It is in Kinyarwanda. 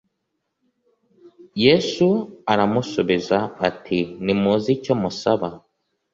Yesu aramusubiza ati “Ntimuzi icyo musaba